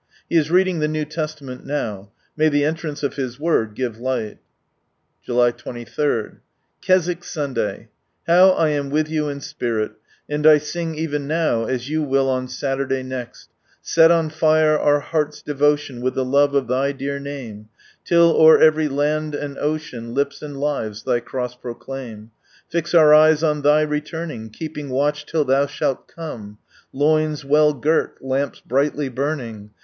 He is reading the New Testament now. May the entrance of His Word give light ! _/w/v 23, Keswkk Sunday! — How I am with you in spirit, and 1 sing even now, as you will on Saturday next, —" Set on fire our hearts' dtvotion wilK ihe love of Thy dear name, Till o'er every land anJ ocean, lips and lives Thy Cro^s proelaim ! Fix our eyes on Thy returning, keeping watch till Thou shall come, Loins well girt, lamps brightly burning.